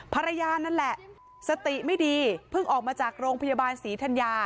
ภรรยานั่นแหละสติไม่ดีเพิ่งออกมาจากโรงพยาบาลศรีธัญญา